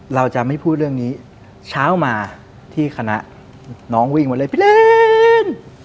เราจะไม่พูดเรื่องนี้เช้ามาที่คณะน้องวิ่งมาเลยพี่แลนด์